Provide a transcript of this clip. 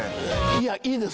いやいいです。